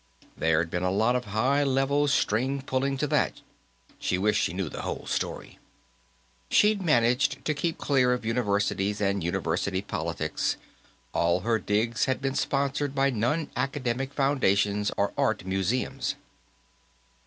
There'd been a lot of high level string pulling to that; she wished she knew the whole story. She'd managed to keep clear of universities and university politics; all her digs had been sponsored by non academic foundations or art museums.